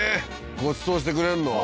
ごちそうしてくれんの？